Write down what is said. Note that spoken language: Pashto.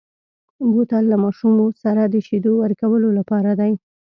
بوتل له ماشومو سره د شیدو ورکولو لپاره دی.